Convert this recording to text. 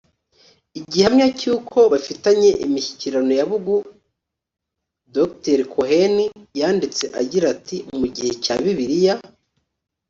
Igihamya cy uko bafitanye imishyikirano ya bugu dr cohen yanditse agira ati mu gihe cya bibiliya